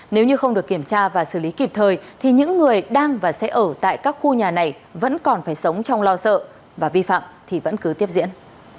nếu như không được kiểm tra và xử lý kịp thời thì những người đang và sẽ ở tại các khu nhà này vẫn còn phải sống trong lo sợ và vi phạm thì vẫn cứ tiếp diễn